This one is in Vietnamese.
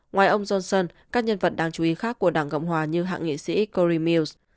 ngoài ông johnson các nhân vật đáng chú ý khác của đảng cộng hòa như hạng nghị sĩ corey mills